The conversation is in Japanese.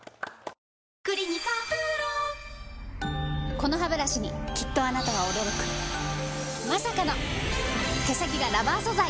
このハブラシにきっとあなたは驚くまさかの毛先がラバー素材！